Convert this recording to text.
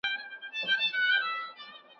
د معارف اداره هم جوړه سوه.